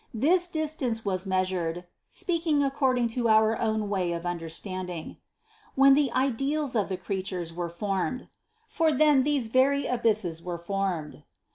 This dis tance was measured (speaking according to our own way of understanding) , when the ideals of the creatures were formed ; for then these very abysses were formed.